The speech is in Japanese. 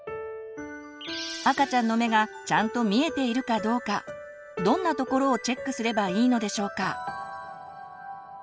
赤ちゃんの目がちゃんと見えているかどうかどんなところをチェックすればいいのでしょうか？